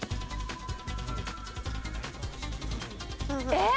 えっ！